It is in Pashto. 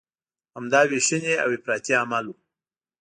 همدا ویشنې او افراطي عمل و.